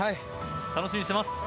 楽しみにしています。